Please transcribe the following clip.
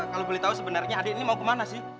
kalau boleh tahu sebenarnya adik ini mau kemana sih